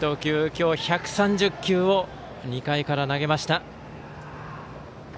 今日１３０球を２回から投げました。